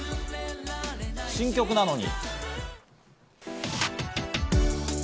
新曲なのに。